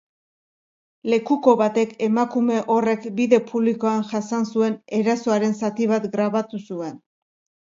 Lekuko batek emakume horrek bide publikoan jasan zuen erasoaren zati bat grabatu zuen.